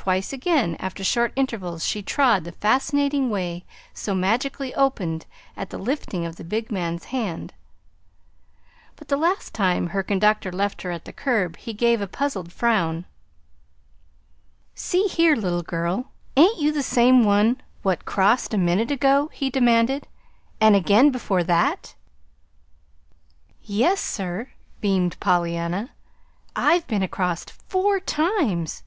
Twice again, after short intervals, she trod the fascinating way so magically opened at the lifting of the big man's hand. But the last time her conductor left her at the curb, he gave a puzzled frown. [Illustration: "Twice again, after short intervals, she trod the fascinating way"] "See here, little girl, ain't you the same one what crossed a minute ago?" he demanded. "And again before that?" "Yes, sir," beamed Pollyanna. "I've been across four times!"